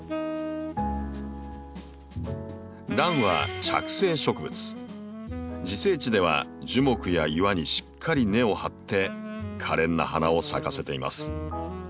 ランは自生地では樹木や岩にしっかり根を張ってかれんな花を咲かせています。